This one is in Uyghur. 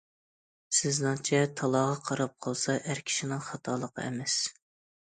سىزنىڭچە تالاغا قاراپ قالسا ئەر كىشىنىڭ خاتالىقى ئەمەس.